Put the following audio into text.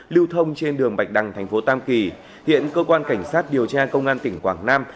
lưu thông trên đường bạch đăng thành phố tam kỳ hiện cơ quan cảnh sát điều tra công an tỉnh quảng nam